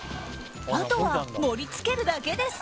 あとは、盛り付けるだけです。